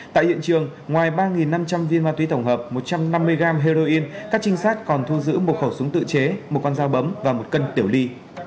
tại hiện trường ngoài ba năm trăm linh viên ma túy tổng hợp một trăm năm mươi gram heroin các trinh sát còn thu giữ một khẩu súng tự chế một con dao bấm và một cân tiểu ly